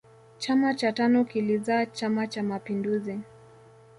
chama cha tanu kilizaa chama cha mapinduzi